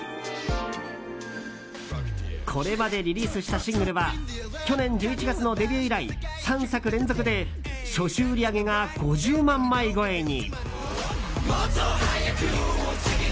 これまでリリースしたシングルは去年１１月のデビュー以来３作連続で初週売り上げが５０万枚超えに。